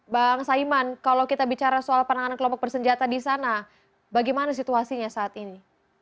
bang saiman kalau kita bicara soal penanganan kelompok bersenjata di sana bagaimana situasinya saat ini